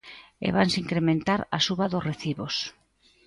E vanse incrementar a suba dos recibos.